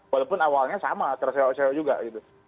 walaupun awalnya sama terseok seo juga gitu